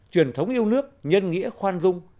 truyền thống yêu nước nhân nghĩa khoan dung